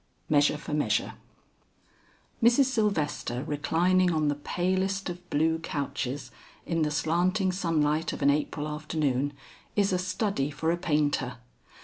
MEASURE FOR MEASURE. Mrs. Sylvester reclining on the palest of blue couches, in the slanting sunlight of an April afternoon, is a study for a painter.